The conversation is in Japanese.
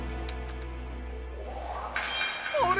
あれ？